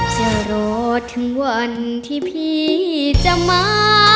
จะรอถึงวันที่พี่จะมา